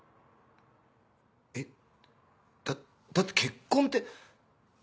えだだって結婚って。